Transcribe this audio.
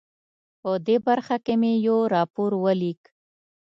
په دې برخه کې مې یو راپور ولیک.